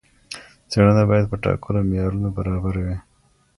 څېړنه باید په ټاکلو معیارونو برابره وي.